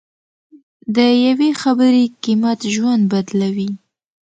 د یوې خبرې قیمت ژوند بدلوي.